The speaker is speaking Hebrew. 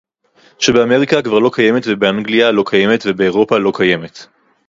שבאמריקה כבר לא קיימת ובאנגליה לא קיימת ובאירופה לא קיימת